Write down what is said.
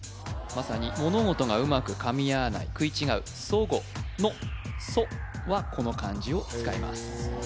まさに物事がうまく噛み合わない食い違う齟齬の「齟」はこの漢字を使います